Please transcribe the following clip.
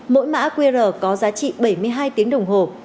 mỗi mã qr có giá trị bảy mươi hai tiếng đồng hồ